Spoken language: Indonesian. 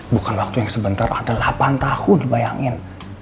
bukan waktu yang sebentar ada delapan tahun dibayangkan